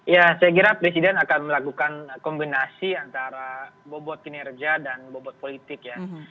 ya saya kira presiden akan melakukan kombinasi antara bobot kinerja dan bobot politik ya